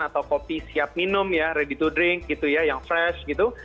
atau kopi siap minum ya ready to drink gitu ya yang fresh gitu